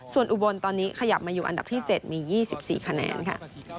ส่วนอุบลตอนนี้ขยับมาอยู่อันดับที่๗มี๒๔คะแนนค่ะ